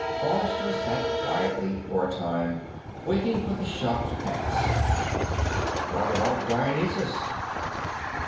Forrester sat quietly for a time, waiting for the shock to pass. "What about Dionysus?"